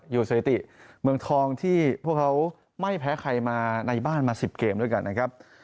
สถิติเมืองทองที่พวกเขาไม่แพ้ใครมาในบ้านมา๑๐เกมด้วยกันนะครับ